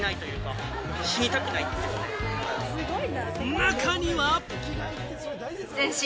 中には。